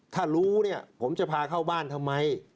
ถ้ารู้เนี่ยผมจะพาเข้าบ้านทำไม